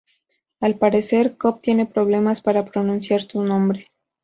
Al parecer, Coop tiene problemas para pronunciar su nombre.